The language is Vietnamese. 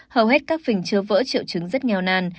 hầu hết các phình chưa vỡ triệu chứng rất nghèo nàn